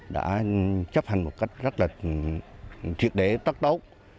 đã chấp hành một cách rất là truyệt đế tắc tốc